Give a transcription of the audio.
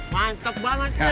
mantep banget ya